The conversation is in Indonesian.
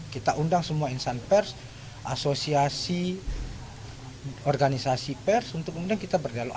kita undang semua insan pers asosiasi organisasi pers untuk kemudian kita berdialog